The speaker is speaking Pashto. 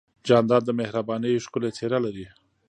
جانداد د مهربانۍ ښکلی څېرہ لري.